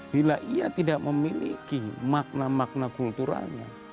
bila ia tidak memiliki makna makna kulturalnya